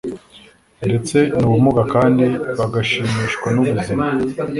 ndetse nubumuga kandi bagashimishwa nubuzima